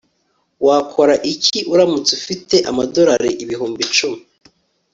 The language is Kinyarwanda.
Wakora iki uramutse ufite amadorari ibihumbi icumi